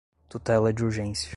tutela de urgência